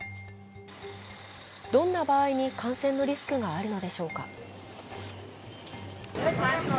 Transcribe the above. どんな場合に感染のリスクがあるのでしょうか。